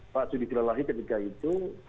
pak judi silalahi ketika itu